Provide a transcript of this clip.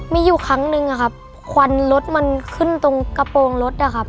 มีอยู่ครั้งนึงอะครับควันรถมันขึ้นตรงกระโปรงรถอะครับ